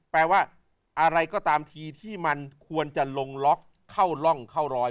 แปลว่าอะไรก็ตามทีที่มันควรจะลงล็อกเข้าร่องเข้ารอย